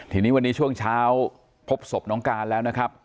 ทีนี้วันนี้ช่วงเช้าพบศพน้องการแล้วนะครับ